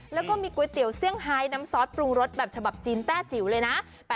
แล้วก็มีก๋วยเตี๋ยวเซี่ยงไฮน้ำซอสปรุงรสแบบฉบับจีนแต้จิ๋วเลยนะ